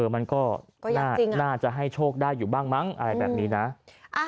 มันก็น่าจะให้โชคได้อยู่บ้างมั้งอะไรแบบนี้นะ